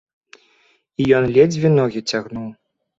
I ён ледзьве ногi цягнуў.